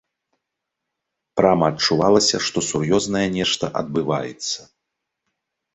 Прама адчувалася, што сур'ёзнае нешта адбываецца.